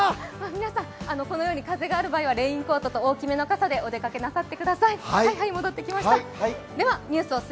皆さん、このように風がある場合はレインコートと大きめの傘でお出かけなさってください。